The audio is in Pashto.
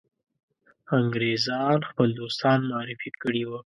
انګرېزان خپل دوستان معرفي کړي وه.